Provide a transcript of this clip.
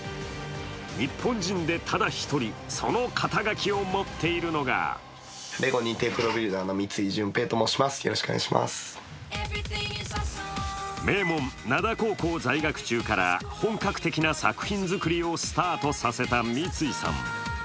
日本人でただ一人その肩書を持っているのが名門・灘高校在学中から本格的な作品作りをスタートさせた三井さん。